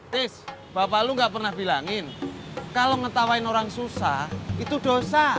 tis bapak lo gak pernah bilangin kalau mengetawain orang susah itu dosa